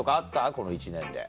この１年で。